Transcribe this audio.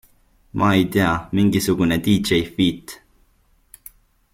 Ma ei tea, mingisugune DJ feat.